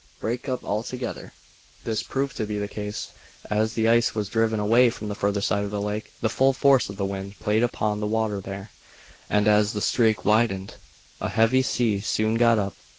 "Break up altogether." This proved to be the case. As the ice was driven away from the further side of the lake the full force of the wind played upon the water there, and as the streak widened a heavy sea soon got up.